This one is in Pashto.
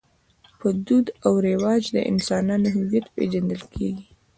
په دود او رواج د انسانانو هویت پېژندل کېږي.